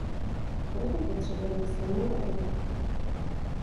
Proto potřebujeme silnou Evropu.